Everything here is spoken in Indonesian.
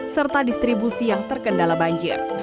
serta distribusi yang terkendala banjir